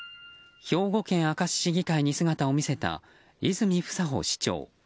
兵庫県明石市議会に姿を見せた泉房穂市長。